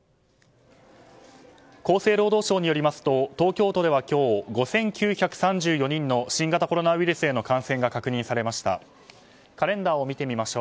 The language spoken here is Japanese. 厚生労働省によりますと東京都では今日５９３４人の新型コロナウイルスへの感染が確認されました。